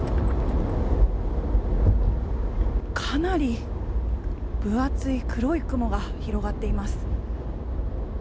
かなり分厚い黒い雲が広がっています。